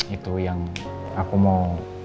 itu yang aku mau